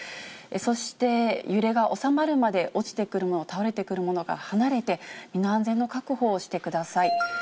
そして、揺れが収まるまで落ちてくるもの、倒れてくるものから離れて、身の安全の確保をしてください。